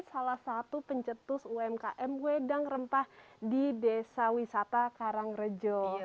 salah satu pencetus umkm wedang rempah di desa wisata karangrejo